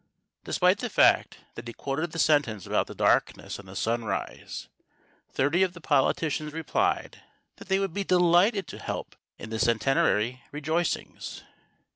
Despite the fact that he quoted the sentence about the darkness and the sunrise, thirty of the politicians replied that they would be delighted to help in the centenary rejoicings.